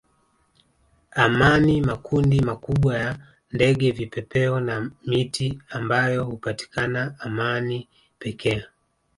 amani makundi makubwa ya ndege vipepeo na miti ambayo hupatikana amani pekee